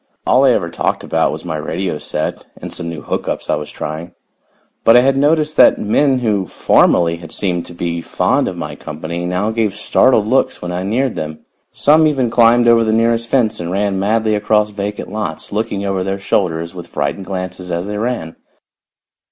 All I ever talked about was my radio set and some new hook ups I was trying, but I had noticed that men who formerly had seemed to be fond of my company now gave startled looks when I neared them. Some even climbed over the nearest fence and ran madly across vacant lots, looking over their shoulders with frightened glances as they ran.